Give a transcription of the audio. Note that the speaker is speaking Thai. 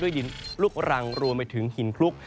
ด้วยดินลุกรังรวมไปถึงหินคลุก